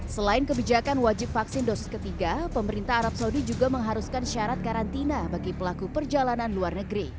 selain kebijakan wajib vaksin dosis ketiga pemerintah arab saudi juga mengharuskan syarat karantina bagi pelaku perjalanan luar negeri